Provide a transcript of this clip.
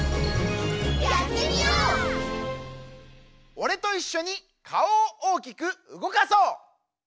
おれといっしょにかおをおおきくうごかそう！